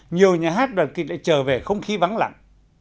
nhiều nhà hát đoàn kịch lại trở về không khí vắng lặng